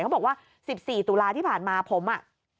เขาบอกว่า๑๔ตุลาที่ผ่านมาผมอ่ะ